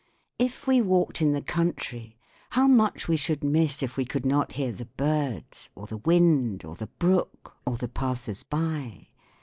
If we walked in the country how much we should miss if we could not hear the birds or the wind or the brook or the passers by